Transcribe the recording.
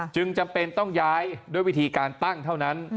จำเป็นต้องย้ายด้วยวิธีการตั้งเท่านั้น